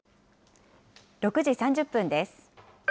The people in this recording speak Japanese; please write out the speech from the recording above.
６時３０分です。